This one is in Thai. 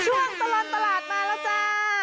ช่วงตลอดตลาดมาแล้วจ้า